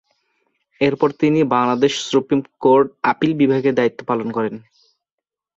এরপরে তিনি Bangladesh supreme court, appeal বিভাগে দায়িত্ব পালন করেন।